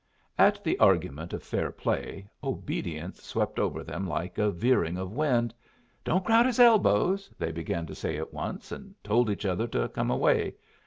At the argument of fair play, obedience swept over them like a veering of wind. "Don't crowd his elbows," they began to say at once, and told each other to come away.